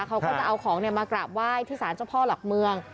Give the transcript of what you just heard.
เขาก็จะเอาของมากราบไหว้ที่สารเจ้าพ่อหลักเมือง